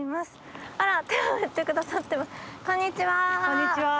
こんにちは。